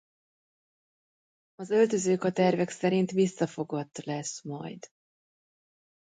Az öltözők a tervek szerint visszafogott lesz majd.